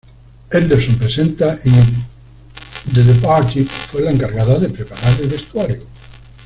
Henderson presenta" y "The Departed", fue la encargada de preparar el vestuario.